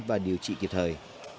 và điều trị kịp thời